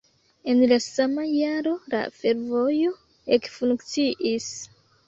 En la sama jaro la fervojo ekfunkciis.